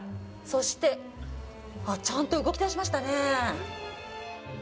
そして、ちゃんと動きだしましたね。